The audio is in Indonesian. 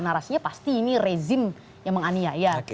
narasinya pasti ini rezim yang menganiaya